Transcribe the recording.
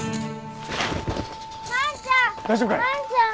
万ちゃん！